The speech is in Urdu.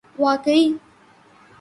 واقعی